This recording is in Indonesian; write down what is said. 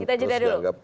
oke kita juga dulu